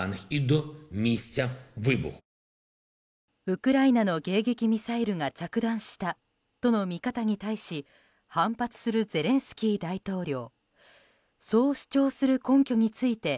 ウクライナの迎撃ミサイルが着弾したとの見方に対し反発するゼレンスキー大統領。